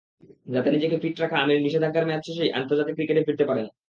যাতে নিজেকে ফিট রাখা আমির নিষেধাজ্ঞার মেয়াদ শেষেই আন্তর্জাতিক ক্রিকেটে ফিরতে পারেন।